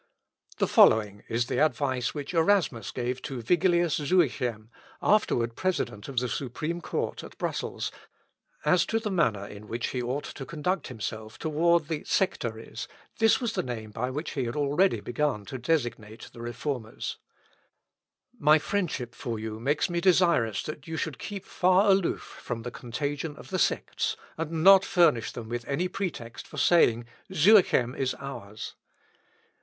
The following is the advice which Erasmus gave to Viglius Zuichem, (afterwards President of the Supreme Court at Brussels,) as to the manner in which he ought to conduct himself towards the sectaries (this was the name by which he had already begun to designate the Reformers) "My friendship for you makes me desirous that you should keep far aloof from the contagion of the sects, and not furnish them with any pretext for saying, 'Zuichem is ours.'